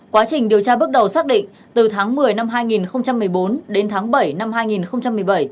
quá trình điều tra bước đầu xác định từ tháng một mươi năm hai nghìn một mươi bốn đến tháng bảy năm hai nghìn một mươi bảy